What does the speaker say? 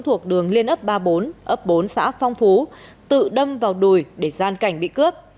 thuộc đường liên ấp ba mươi bốn ấp bốn xã phong phú tự đâm vào đùi để gian cảnh bị cướp